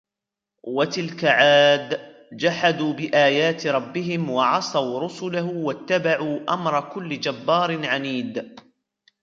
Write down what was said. وتلك عاد جحدوا بآيات ربهم وعصوا رسله واتبعوا أمر كل جبار عنيد